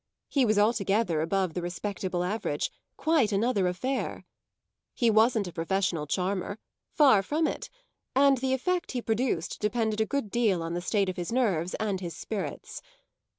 He was altogether above the respectable average; quite another affair. He wasn't a professional charmer far from it, and the effect he produced depended a good deal on the state of his nerves and his spirits.